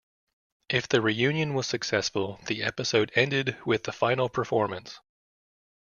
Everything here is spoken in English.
If the reunion was successful, the episode ended with the final performance.